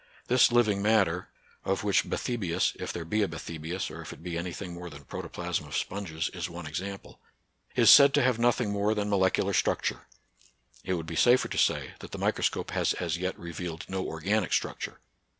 This living matter — of which BathyUiis, if there be a Bathyhius, or if it be any thing more than pro toplasm of sponges, is one example — is said to have nothing more than molecular structure. It would be safer to say that the microscope has as yet revealed no organic structure.